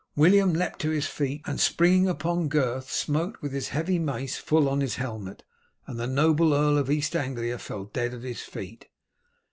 William leapt to his feet, and springing upon Gurth smote with his heavy mace full on his helmet, and the noble Earl of East Anglia fell dead at his feet.